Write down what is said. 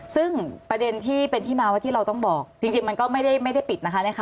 ซึ่งประเด็นที่เราต้องบอกจริงคือมันก็ไม่ได้มิดนะคะ